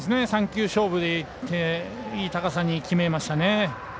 ３球勝負でいっていい高さに決めましたね。